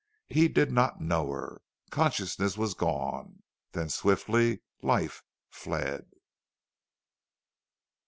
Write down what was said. He did not know her. Consciousness was gone. Then swiftly life fled.